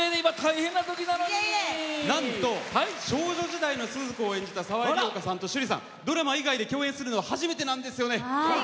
なんと少女時代のスズ子を演じた澤井梨丘さんと趣里さんドラマ以外で共演するのは今回が初めてということで。